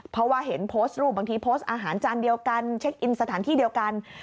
เพราะว่าเห็นโพสต์รูปบางทีโพสต์อาหารจานเดียวกันเช็คอินสถานที่เดียวกัน